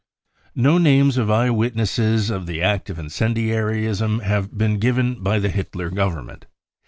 No names of eye witnesses of the act of incendiarism have been given by the Hitler Government.